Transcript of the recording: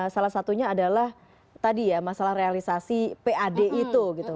salah satunya adalah tadi ya masalah realisasi pad itu gitu